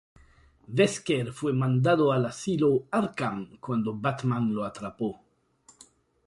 Wesker fue mandado al "Asilo Arkham" cuando Batman lo atrapó.